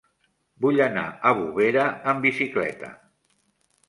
Vull anar a Bovera amb bicicleta.